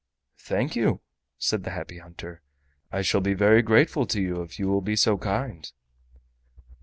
"Thank you," said the Happy Hunter, "I shall be very grateful to you if you will be so kind."